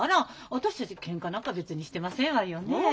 私たちケンカなんか別にしてませんわよねえ。